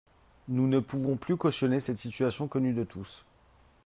Nous ne pouvons plus cautionner cette situation connue de tous.